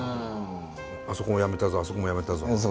あそこもやめたぞあそこもやめたぞって。